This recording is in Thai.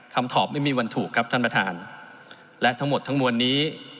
คำตอบไม่มีวันถูกครับท่านประธานและทั้งหมดทั้งมวลนี้